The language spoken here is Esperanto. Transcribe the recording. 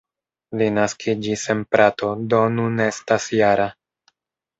Li naskiĝis en Prato, do nun estas -jara.